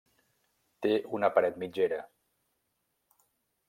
Té una paret mitgera.